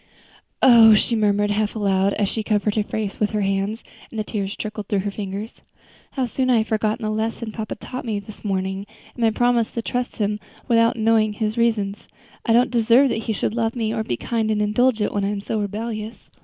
"Oh!" she murmured half aloud as she covered her face with her hands, and the tears trickled through her fingers, "how soon I have forgotten the lesson papa taught me this morning, and my promise to trust him without knowing his reasons. I don't deserve that he should love me or be kind and indulgent, when I am so rebellious."